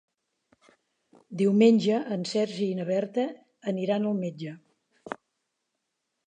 Diumenge en Sergi i na Berta aniran al metge.